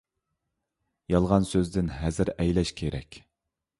يالغان سۆزدىن ھەزەر ئەيلەش كېرەك.